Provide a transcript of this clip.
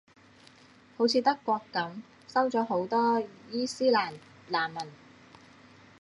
好似德國噉，收咗好多伊期蘭難民